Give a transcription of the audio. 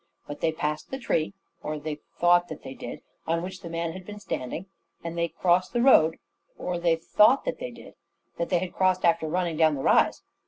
But they passed the tree or they thought that they did on which the man had been standing; and they crossed the road or they thought that they did that they had crossed after running down the rise.